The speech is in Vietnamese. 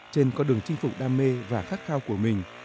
trên con đường chinh phục đam mê và khát khao của mình